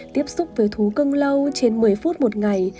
tiếp xúc với thú cưng lâu trên một mươi phút một ngày